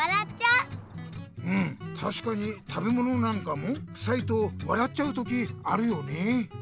うんたしかに食べものなんかもくさいと笑っちゃう時あるよね。